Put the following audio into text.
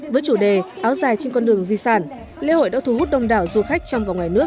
với chủ đề áo dài trên con đường di sản lễ hội đã thu hút đông đảo du khách trong và ngoài nước